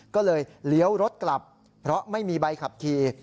ก็เลยเลี้ยวรถกลับเพราะไม่มีใบขับขี่